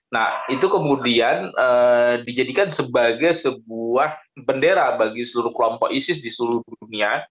nah itu kemudian dijadikan sebagai sebuah bendera bagi seluruh kelompok isis di seluruh dunia